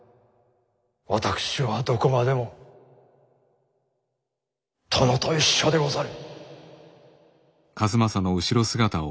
私はどこまでも殿と一緒でござる。